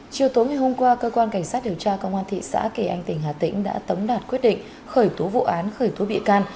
chiều tối ngày hôm qua cơ quan cảnh sát điều tra công an thị xã kỳ anh tỉnh hà tĩnh đã tống đạt quyết định khởi tố vụ án khởi tố bị can